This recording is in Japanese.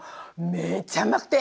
めちゃうまくて！